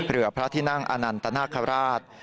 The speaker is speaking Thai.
เรือพระที่นั่งอนันตนาคาราช